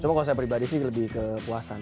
cuma kalau saya pribadi sih lebih kepuasan